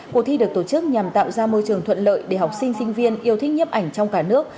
cuộc thi được tổ chức nhằm tạo ra môi trường thuận lợi để học sinh sinh viên yêu thích nhiếp ảnh trong cả nước